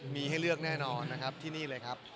มีให้เลือกแน่นอนนะครับที่นี่เลยครับ